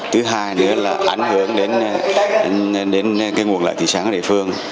thứ hai nữa là ảnh hưởng đến cái nguồn lợi tự sáng ở địa phương